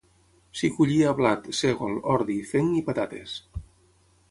S'hi collia blat, sègol, ordi, fenc i patates.